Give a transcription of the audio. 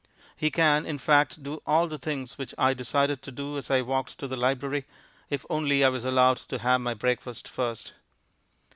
He can, in fact, do all the things which I decided to do as I walked to the library if only I was allowed to have my breakfast first.